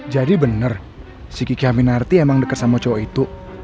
jadi bener si kiki amin hati emang deket sama cowo itu